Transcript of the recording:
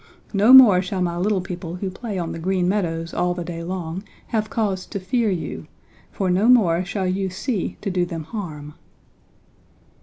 No more shall my little people who play on the Green Meadows all the day long have cause to fear you, for no more shall you see to do them harm.'